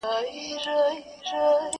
رساوه چي به یې مړی تر خپل ګوره؛